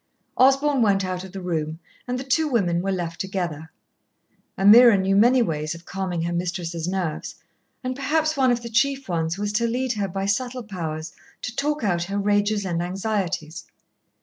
Osborn went out of the room, and the two women were left together. Ameerah knew many ways of calming her mistress's nerves, and perhaps one of the chief ones was to lead her by subtle powers to talk out her rages and anxieties.